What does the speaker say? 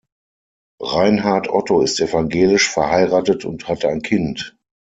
Reinhard Otto ist evangelisch, verheiratet und hat ein Kind.